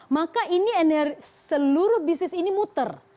maka ini seluruh bisnis ini muter